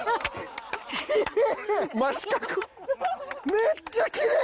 めっちゃきれい！